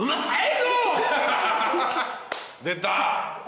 出た。